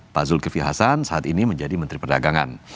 pak zulkifli hasan saat ini menjadi menteri perdagangan